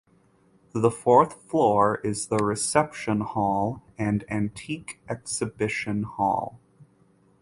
The fourth floor is the reception hall and antique exhibition hall.